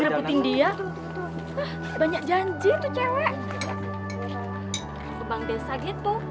makasih ya bang